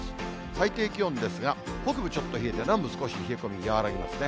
最低気温ですが、北部ちょっと冷えて、南部少し冷え込み和らぎますね。